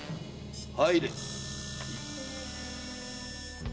入れ。